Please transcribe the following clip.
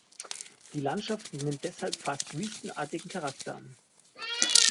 Die Landschaft nimmt deshalb fast wüstenartigen Charakter an.